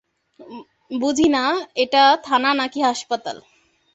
বুঝি না এটা থানা না-কি হাসপাতাল।